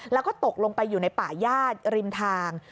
แล้วก็ตกลงไปอยู่ในป่าญาติริมทาง